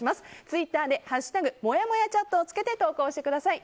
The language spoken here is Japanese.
ツイッターで「＃もやもやチャット」をつけて投稿してください。